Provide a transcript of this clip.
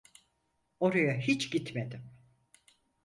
Oraya hiç gitmedim.